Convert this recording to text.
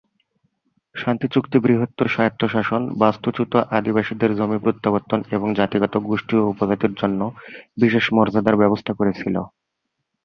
শান্তি চুক্তি বৃহত্তর স্বায়ত্তশাসন, বাস্তুচ্যুত আদিবাসীদের জমি প্রত্যাবর্তন এবং জাতিগত গোষ্ঠী ও উপজাতির জন্য বিশেষ মর্যাদার ব্যবস্থা করেছিল।